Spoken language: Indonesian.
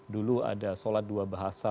dulu ada sholat dua bahasa